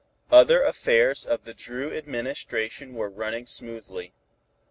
Other affairs of the Dru administration were running smoothly.